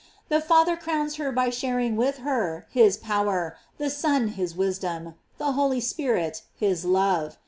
The Father crowns her by sharing with her his pow er, the Son his wisdom, the Holy spirit his love.